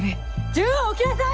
銃を置きなさい！